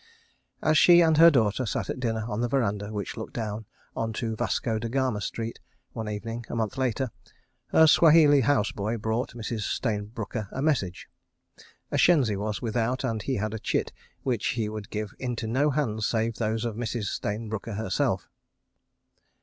As she and her daughter sat at dinner on the verandah which looked down on to Vasco da Gama Street, one evening, a month later, her Swahili house boy brought Mrs. Stayne Brooker a message. ... A shenzi was without, and he had a chit which he would give into no hands save those of Mrs. Stayne Brooker herself.